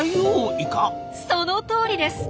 そのとおりです！